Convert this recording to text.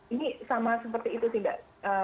ini sama seperti itu sih mbak